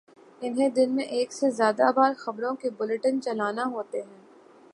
انہیں دن میں ایک سے زیادہ بار خبروں کے بلیٹن چلانا ہوتے ہیں۔